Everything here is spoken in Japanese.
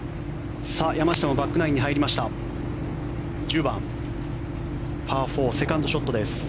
山下もバックナインに入りました１０番、パー４セカンドショットです。